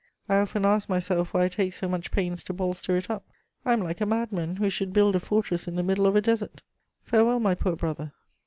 I often ask myself why I take so much pains to bolster it up. I am like a madman who should build a fortress in the middle of a desert. Farewell, my poor brother."